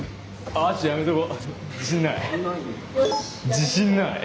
自信ない。